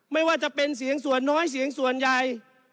ไม่ว่าจะเป็นเสียงส่วนน้อยเสียงส่วนใหญ่